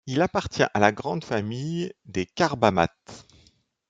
Il appartient à la grande famille des carbamates.